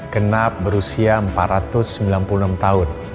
kenap berusia empat ratus sembilan puluh enam tahun